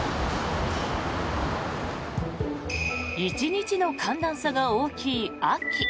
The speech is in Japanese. １日の寒暖差が大きい秋。